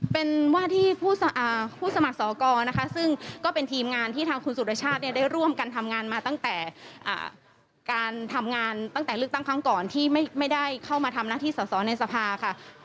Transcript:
เป็นว่าที่ผู้สมัครสอกรนะคะซึ่งก็เป็นทีมงานที่ทางคุณสุรชาติเนี่ยได้ร่วมกันทำงานมาตั้งแต่การทำงานตั้งแต่เลือกตั้งครั้งก่อนที่ไม่ได้เข้ามาทำหน้าที่สอสอในสภาค่ะ